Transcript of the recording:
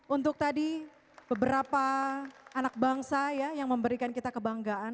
untuk tadi beberapa anak bangsa ya yang memberikan kita kebanggaan